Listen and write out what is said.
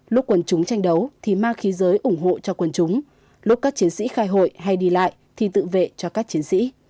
lúc quân chúng tranh đấu thì mang khí giới ủng hộ cho quân chúng lúc các chiến sĩ khai hội hay đi lại thì tự vệ cho các chiến sĩ